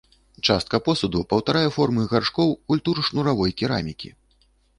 Частка посуду паўтарае формы гаршкоў культур шнуравой керамікі.